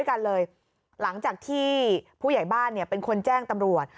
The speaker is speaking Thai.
กันเลยหลังจากที่ผู้ใหญ่บ้านเนี่ยเป็นคนแจ้งตำรวจ